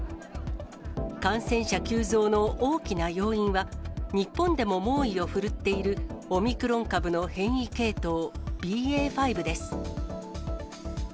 感染者急増の大きな要因は、日本でも猛威を振るっているオミクロン株の変異系統、ＢＡ．５です。